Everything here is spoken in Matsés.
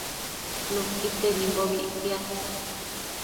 Nuquitedimbobi ictiad